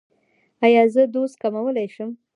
ایا زه دوز کمولی شم؟